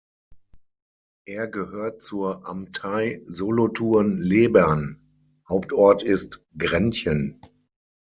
Er gehört zur Amtei Solothurn-Lebern, Hauptort ist Grenchen.